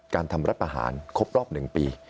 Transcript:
การทำรัฐประหารครบรอบ๑ปี